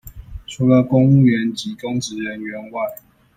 除了公務員及公職人員外